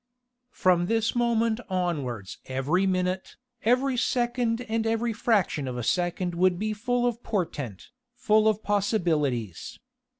From this moment onwards every minute, every second and every fraction of a second would be full of portent, full of possibilities.